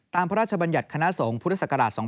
ตามพระราชบัญญัติคณะสงภ์พศ๒๕๐๕